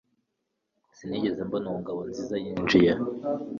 Sinigeze mbona uwo Ngabonziza yinjiye